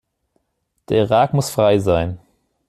Der Irak muss frei sein!'